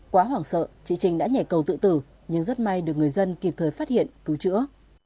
quá hoảng sợ chị trình đã nhảy cầu tự tử nhưng rất may được người dân kịp thời phát hiện cứu chữa